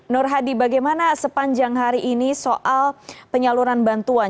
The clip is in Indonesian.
nur hadi bagaimana sepanjang hari ini soal penyaluran bantuan